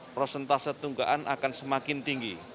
prosentase tunggakan akan semakin tinggi